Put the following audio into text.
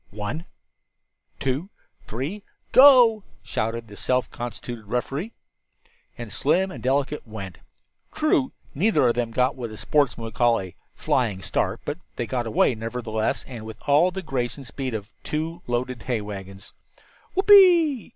"One, two, three Go!" shouted the self constituted referee. And Slim and Delicate went! True, neither of them got what sportsmen would call "a flying start," but they got away, nevertheless, and with all the grace and speed of two loaded hay wagons. "Whoopee!"